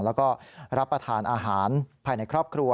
แล้วก็รับประทานอาหารภายในครอบครัว